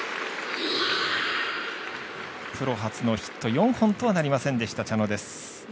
プロ初のヒット４本とはなりませんでした茶野です。